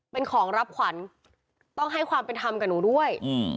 เป็นของรับขวัญต้องให้ความเป็นธรรมกับหนูด้วย